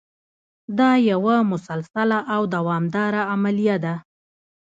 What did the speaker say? دا یوه مسلسله او دوامداره عملیه ده.